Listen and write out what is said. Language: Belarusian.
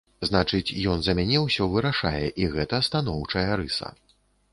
Значыць, ён за мяне ўсё вырашае, і гэта станоўчая рыса.